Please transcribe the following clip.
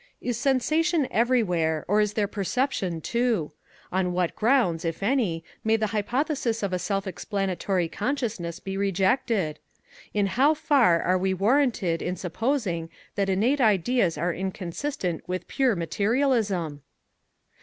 "Is sensation everywhere or is there perception too? On what grounds, if any, may the hypothesis of a self explanatory consciousness be rejected? In how far are we warranted in supposing that innate ideas are inconsistent with pure materialism?"